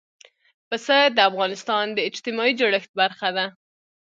پسه د افغانستان د اجتماعي جوړښت برخه ده.